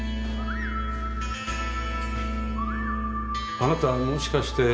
あなたもしかして。